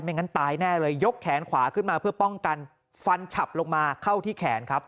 งั้นตายแน่เลยยกแขนขวาขึ้นมาเพื่อป้องกันฟันฉับลงมาเข้าที่แขนครับ